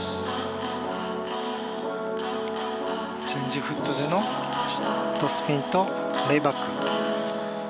チェンジフットでのシットスピンとレイバック。